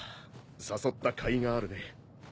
誘ったかいがあるね。